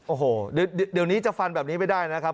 โอ้โหเดี๋ยวนี้จะฟันแบบนี้ไม่ได้นะครับ